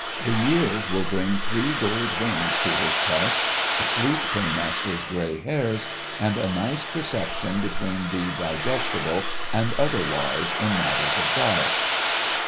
The years will bring three gold rings to his cuff, a Fleet Paymaster's grey hairs, and a nice perception between the digestible and otherwise in matters of diet.